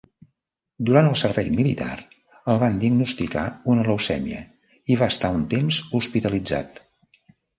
Durant el servei militar el van diagnosticar una leucèmia i va estar un temps hospitalitzat.